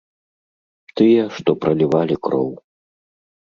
Тыя, што пралівалі кроў.